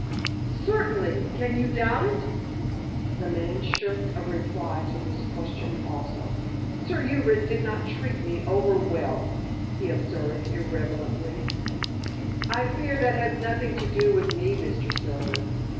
"Certainly! Can you doubt it?" The man shirked a reply to this question also. "Sir Hubert did not treat me over well," he observed irrelevantly. "I fear that has nothing to do with me, Mr. Silver."